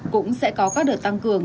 cũng sẽ có các đợt tăng cường